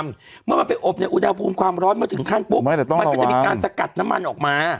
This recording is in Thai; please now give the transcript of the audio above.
เมื่อมันไปอบเนี่ยอุณหภูมิความร้อนเมื่อถึงขั้นปุ๊บมันก็จะมีการสกัดน้ำมันออกมา